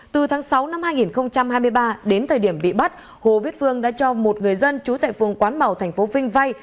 từ tháng sáu năm hai nghìn hai mươi ba đến thời điểm bị bắt hồ viết phương đã cho một người dân trú tại phường quán bảo tp vinh vay